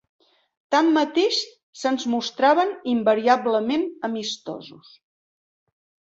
Tanmateix, se'ns mostraven invariablement amistosos